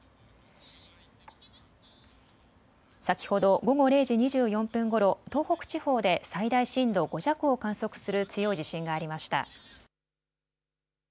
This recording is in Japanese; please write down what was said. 先ほど午後０時２４分ごろ、東北地方で最大震度５弱を観測する強い地震がありました。